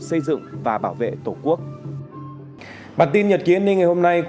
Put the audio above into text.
xin chào tạm biệt và hẹn gặp lại